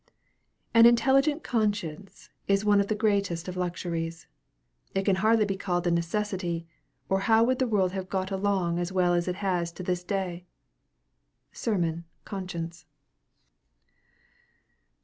An intelligent conscience is one of the greatest of luxuries. It can hardly be called a necessity, or how would the world have got along as well as it has to this day? SERMON: 'Conscience.'